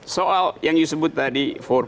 soal yang disebut tadi empat